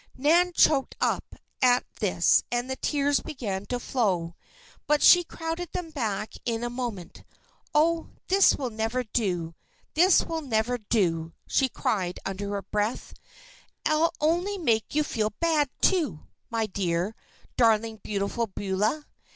Nan choked up at this and the tears began to flow. But she crowded them back in a moment. "Oh! this will never do this will never do," she cried, under her breath. "I'll only make you feel bad, too, my dear, darling Beautiful Beulah.